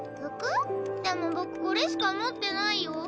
でも僕これしか持ってないよ。